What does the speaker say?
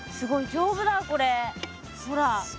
丈夫だこれほら。